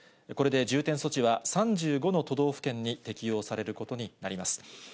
これで重点措置は、３５の都道府県に適用されることになります。